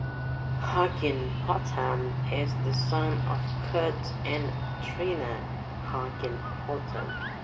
Higginbotham is the son of Kurt and Trina Higginbotham.